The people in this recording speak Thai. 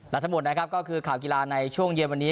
และทั้งหมดนะครับก็คือข่าวกีฬาในช่วงเย็นวันนี้